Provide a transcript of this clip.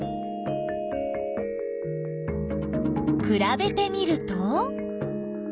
くらべてみると？